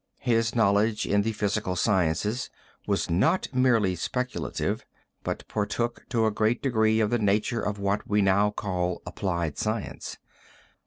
His knowledge in the physical sciences was not merely speculative, but partook to a great degree of the nature of what we now call applied science.